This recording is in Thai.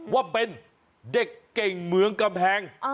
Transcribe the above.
ว่าเป็นเด็กเก่งเมืองกำแพง